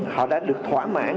họ đã được thỏa mãn